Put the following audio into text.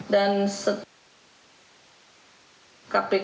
dan setelah itu